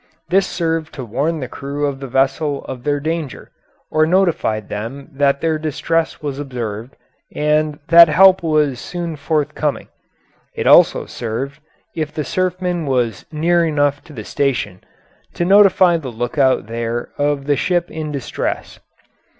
This served to warn the crew of the vessel of their danger, or notified them that their distress was observed and that help was soon forthcoming; it also served, if the surfman was near enough to the station, to notify the lookout there of the ship in distress.